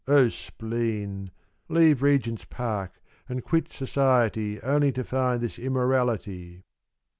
— O spleen Leave Regent's Park and quit society Only to rind this immorality